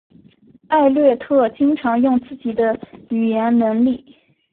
艾略特经常用自己的语言能力。